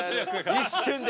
一瞬で。